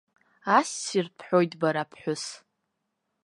Ассир бҳәоит бара, аԥҳәыс!